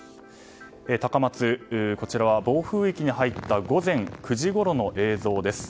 高松は暴風域に入った午前９時ごろの映像です。